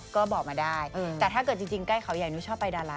ก็บอกมาได้แต่ถ้าเกิดจริงใกล้เขาใหญ่หนูชอบไปดารา